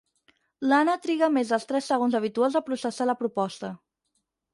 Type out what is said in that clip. L'Anna triga més dels tres segons habituals a processar la proposta.